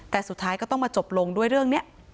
แต่สุดท้ายก็ต้องมาจบลงด้วยเรื่องนี้